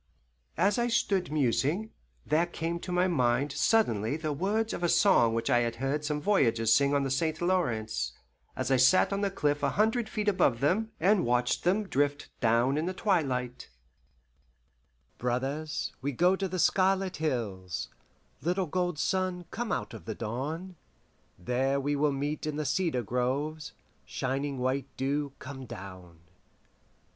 As I stood musing, there came to my mind suddenly the words of a song which I had heard some voyageurs sing on the St. Lawrence, as I sat on the cliff a hundred feet above them and watched them drift down in the twilight: "Brothers, we go to the Scarlet Hills: (Little gold sun, come out of the dawn!) There we will meet in the cedar groves; (Shining white dew, come down!)